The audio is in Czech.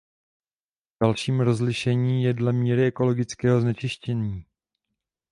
Dalším rozlišení je dle míry ekologického znečištění.